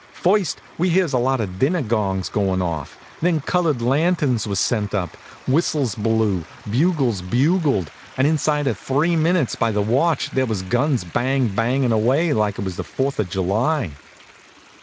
First we hears a lot of dinner gongs goin' off. Then colored lanterns was sent up, whistles blew, bugles bugled, and inside of three minutes by the watch there was guns bang bangin' away like it was the Fourth of July.